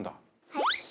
はい！